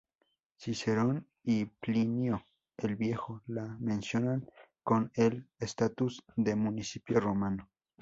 Cicerón y Plinio el Viejo la mencionan con el estatus de municipio romano.